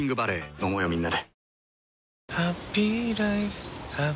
飲もうよみんなで。